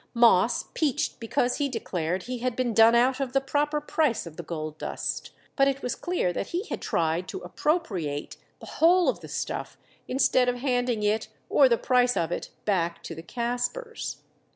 Moss peached because he declared he had been done out of the proper price of the gold dust; but it was clear that he had tried to appropriate the whole of the stuff, instead of handing it or the price of it back to the Caspars.